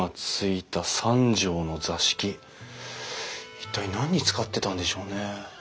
一体何に使ってたんでしょうね？